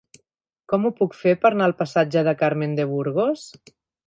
Com ho puc fer per anar al passatge de Carmen de Burgos?